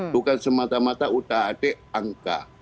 bukan semata mata udah ada angka